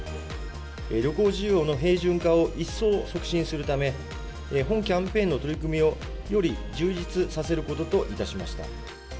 旅行需要の平準化を一層促進するため、本キャンペーンの取り組みをより充実させることといたしました。